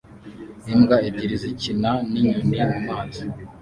Imbwa ebyiri zikina ninkoni mumazi